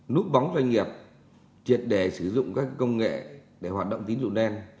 núp bóng doanh nghiệp triệt đẻ sử dụng các công nghệ để hoạt động tính dụng đen